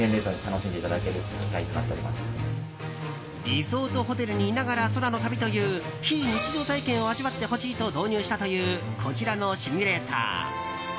リゾートホテルにいながら空の旅という非日常体験を味わってほしいと導入したというこちらのシミュレーター。